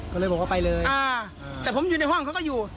ก็เลยบอกว่าไปเลยแต่ผมอยู่ในห้องเขาก็อยู่